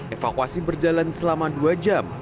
evakuasi berjalan selama dua jam